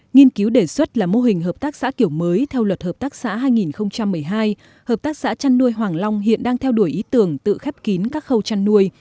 nghiên cứu đề xuất là mô hình hợp tác xã kiểu mới theo luật hợp tác xã hai nghìn một mươi hai hợp tác xã chăn nuôi hoàng long hiện đang theo đuổi ý tưởng tự khép kín các khâu chăn nuôi